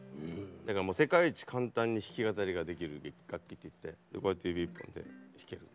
だから世界一簡単に弾き語りができる楽器っていってこうやって指１本で弾ける。